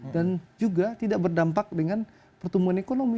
dan juga tidak berdampak dengan pertumbuhan ekonomi